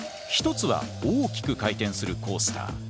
一つは大きく回転するコースター。